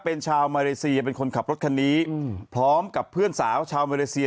เป็นชาวมาเลเซียเป็นคนขับรถคันนี้พร้อมกับเพื่อนสาวชาวมาเลเซีย